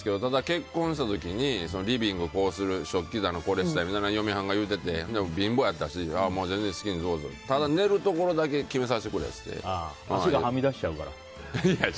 結婚した時にリビングこうする食器棚これしたい嫁はんが言うてて貧乏やったし、全然好きにどうぞただ、寝るところだけ足がはみ出しちゃうから？